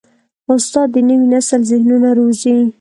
استاد د نوي نسل ذهنونه روزي.